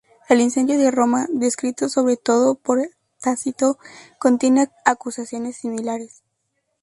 El incendio de Roma, descrito sobre todo por Tácito, contiene acusaciones similares.